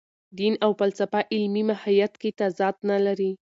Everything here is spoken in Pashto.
دین او فلسفه علمي ماهیت کې تضاد نه لري.